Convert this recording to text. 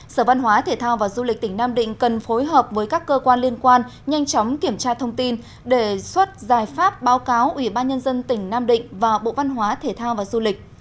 sở văn hóa thể thao và du lịch tỉnh nam định cần phối hợp với các cơ quan liên quan nhanh chóng kiểm tra thông tin đề xuất giải pháp báo cáo ủy ban nhân dân tỉnh nam định và bộ văn hóa thể thao và du lịch